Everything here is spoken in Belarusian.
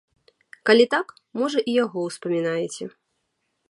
Калі так, можа і яго ўспамінаеце.